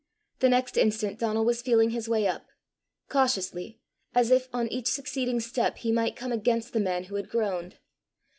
The next instant Donal was feeling his way up cautiously, as if on each succeeding step he might come against the man who had groaned.